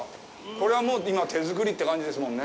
これは今、手作りって感じですもんね。